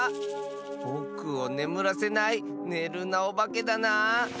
ぼくをねむらせない「ねるなおばけ」だな。